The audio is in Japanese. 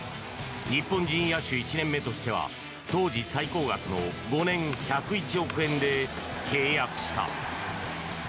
日本人野手１年目としては当時最高額の５年、１０１億円で契約した。